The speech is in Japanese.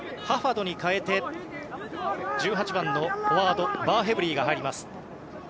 ファハドに代えて１８番のフォワードバーヘブリーが入ります。